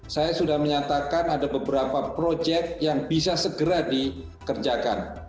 saya sudah menyatakan ada beberapa proyek yang bisa segera dikerjakan